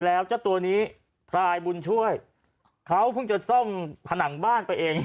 แล้วเจ้าตัวนี้พลายบุญช่วยเขาเพิ่งจะซ่อมผนังบ้านไปเอง